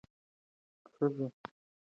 ښوونځي د یوې روښانه راتلونکې لپاره بنسټ جوړوي.